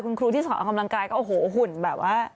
คุณครูที่สอนออกกำลังกายก็โอ้โหหุ่นแบบว่า